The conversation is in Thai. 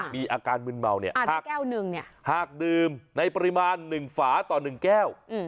มีอาการมึนเมาเนี่ยหากดื่มในปริมาณ๑ฝาต่อ๑แก้ว